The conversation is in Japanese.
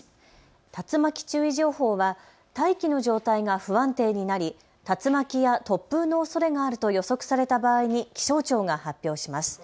竜巻注意情報は大気の状態が不安定になり、竜巻や突風のおそれがあると予測された場合に気象庁が発表します。